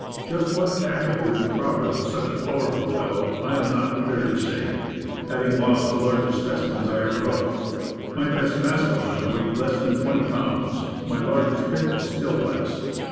Just what tackle would be proper for such a powerful fellow I am not prepared to say, having lost the largest specimens I ever hooked. My best mascalonge weighed less than twenty pounds. My largest pickerel still less.